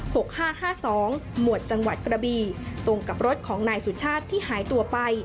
ห้าห้าสองหมวดจังหวัดกระบีตรงกับรถของนายสุชาติที่หายตัวไป